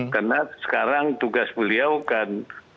karena sekarang tugas beliau kan